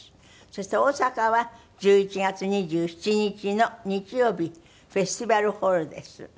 そして大阪は１１月２７日の日曜日フェスティバルホールです。